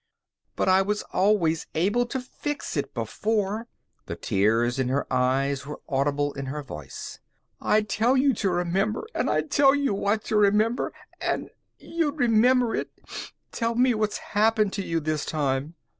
"But I was always able to fix it before!" The tears in her eyes were audible in her voice. "I'd tell you to remember, and I'd tell you what to remember, and you'd remember it! Tell me what's happened to you this time!"